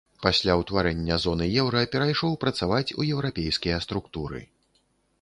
Пасля ўтварэння зоны еўра перайшоў працаваць у еўрапейскія структуры.